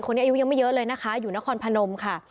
อายุยังไม่เยอะเลยนะคะอยู่นครพนมค่ะ